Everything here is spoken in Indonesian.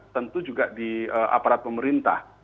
tentu juga di aparat pemerintah